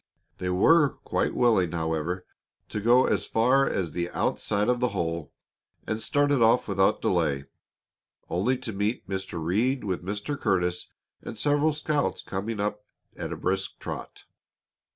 They were quite willing, however, to go as far as the outside of the hole, and started off without delay, only to meet Mr. Reed with Mr. Curtis and several scouts coming up at a brisk trot.